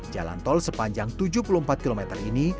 jalan tol sepanjang tujuh puluh empat km ini